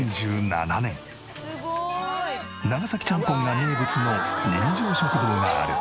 「すごい」長崎ちゃんぽんが名物の人情食堂がある。